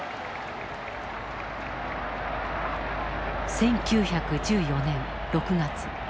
１９１４年６月。